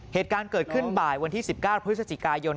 เหตุการณ์เกิดขึ้นบ่ายวันที่๑๙พฤศจิกายน